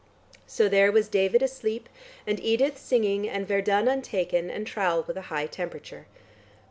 So there was David asleep and Edith singing, and Verdun untaken, and Trowle with a high temperature.